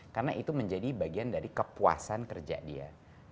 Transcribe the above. karena itu menjadi bagian dari kepuasan kerja dia